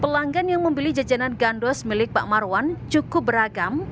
pelanggan yang membeli jajanan gandos milik pak marwan cukup beragam